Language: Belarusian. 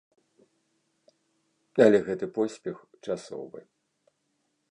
Але гэты поспех часовы.